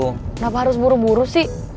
kenapa harus buru buru sih